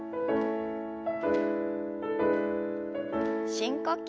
深呼吸。